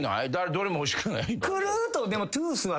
どれも欲しくない？